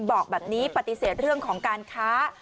บอกแบบนี้ปฏิเสธเรื่องของการค้า